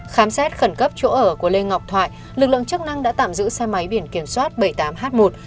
khám xét khẩn cấp chỗ ở của lê ngọc thoại lực lượng chức năng đã tạm giữ xe máy biển kiểm soát bảy mươi tám h một một mươi hai nghìn năm trăm ba mươi bảy